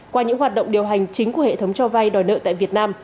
qua những hoạt động điều hành chính của hệ thống cho vay đòi nợ tại việt nam